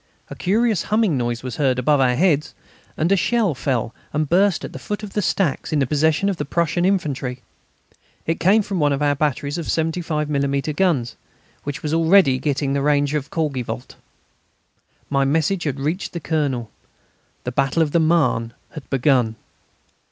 A curious humming noise was heard above our heads, and a shell fell and burst at the foot of the stacks in the possession of the Prussian infantry. It came from one of our batteries of 75 millimetre guns, which was already getting the range of Courgivault. My message had reached the Colonel. The battle of the Marne had begun.